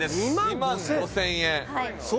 ２万５０００円